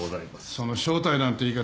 その「正体」なんて言い方